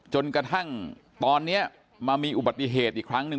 จนกระทั่งตอนนี้มามีอุบัติเหตุอีกครั้งหนึ่ง